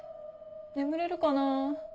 眠れるかなぁ。